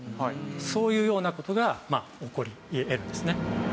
そういうような事が起こり得るんですね。